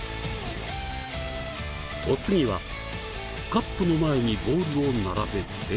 お次はカップの前にボールを並べて。